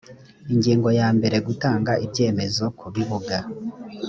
ingingo ya mbere gutanga ibyemezo ku bibuga